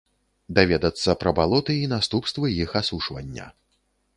Даведацца пра балоты і наступствы іх асушвання.